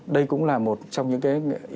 đây cũng là một trong những cái